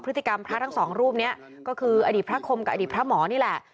พฤติกรรมพระทั้งสองรูปนี้ก็คืออดีตพระคมกับอดีตพระหมอนี่แหละ